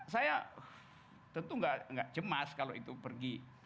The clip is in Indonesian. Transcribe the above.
saya tentu tidak cemas kalau itu pergi